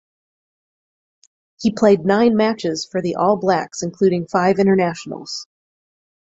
He played nine matches for the All Blacks including five internationals.